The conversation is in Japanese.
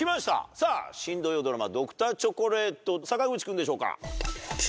さぁ新土曜ドラマ『Ｄｒ．チョコレート』坂口君でしょうか。